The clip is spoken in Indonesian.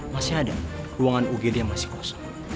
masih ada ruangan ugd yang masih kosong